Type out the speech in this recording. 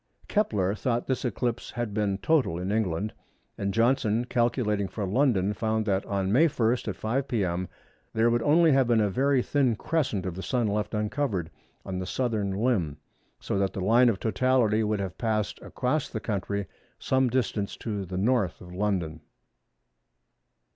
Kepler thought this eclipse had been total in England, and Johnson calculating for London found that on May 1, at 5 p.m., there would only have been a very thin crescent of the Sun left uncovered on the southern limb, so that the line of totality would have passed across the country some distance to the N. of London.